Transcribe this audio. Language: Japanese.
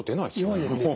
弱いですね。